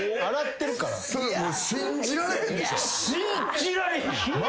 信じられへんでしょ？